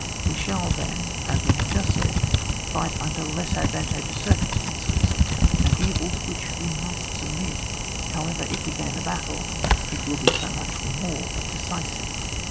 We shall then, as we have just said, fight under less advantageous circumstances— an evil to which we must submit. How ever, if we gain the battle, it will be BO much the more decisive.